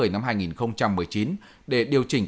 năm hai nghìn một mươi chín để điều chỉnh